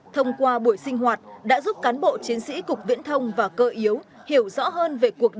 thông qua buổi sinh hoạt đã giúp cán bộ chiến sĩ cục viễn thông và cơ yếu hiểu rõ hơn về cuộc đời